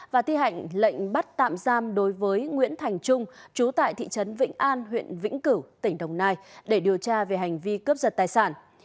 và thi hạnh lệnh bắt tạm giam đối với nguyễn thành trung chú tại thị trấn vĩnh an huyện vĩnh cửu tỉnh đồng nai để điều tra về hành vi cướp giật tài sản